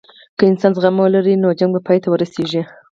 که انسان زغم ولري، نو شخړه به پای ته ورسیږي.